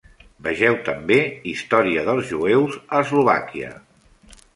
Vegeu també "Història dels jueus a Eslovàquia".